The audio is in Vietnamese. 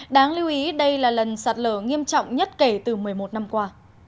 đáng lưu ý đây là lần sạt lở nghiêm trọng nhất kể từ một mươi một năm qua